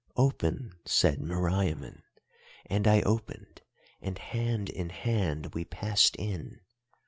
"'Open!' said Meriamun, and I opened, and hand in hand we passed in.